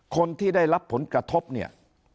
คนที่ได้รับผลกระทบเนี่ย